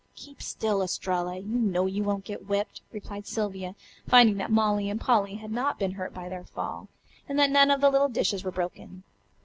"Keep still, Estralla. You know you won't get whipped," replied Sylvia, finding that Molly and Polly had not been hurt by their fall, and that none of the little dishes were broken.